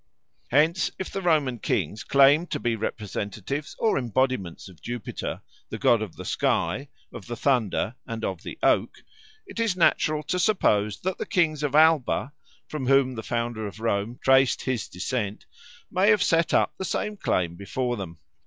Hence if the Roman kings claimed to be representatives or embodiments of Jupiter, the god of the sky, of the thunder, and of the oak, it is natural to suppose that the kings of Alba, from whom the founder of Rome traced his descent, may have set up the same claim before them.